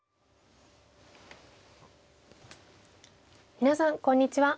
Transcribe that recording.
皆さんこんにちは。